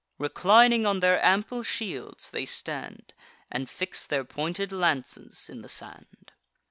Reclining on their ample shields, they stand, And fix their pointed lances in the sand.